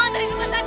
kayak masih hampir